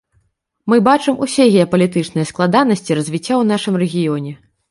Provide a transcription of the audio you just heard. Мы бачым усе геапалітычныя складанасці развіцця ў нашым рэгіёне.